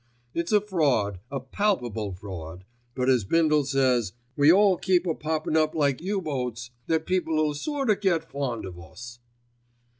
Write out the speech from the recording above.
It's a fraud, a palpable fraud, but as Bindle says, we all keep "a poppin' up like U boats, that people'll sort o' get fond of us."